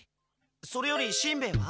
それよりしんべヱは？